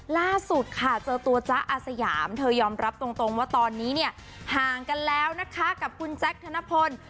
ล่าสุดค่ะเจอตัวจ๊ะอาสยามเธอยอมรับตรงว่าตอนนี้เนี่ยห่างกันแล้วนะคะกับคุณแจ๊คธนพล